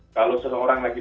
kalau seseorang lagi